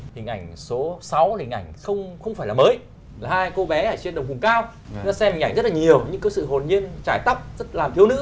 hình ảnh số sáu là hình ảnh không phải là mới là hai cô bé ở trên đồng vùng cao chúng ta xem hình ảnh rất là nhiều